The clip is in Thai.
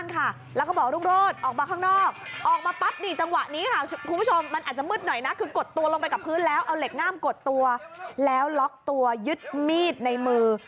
น่ามกดตัวแล้วล็อกตัวยึดมีดในมือ